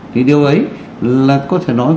thì điều ấy là có thể nói